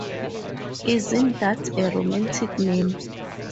Isn’t that a romantic name?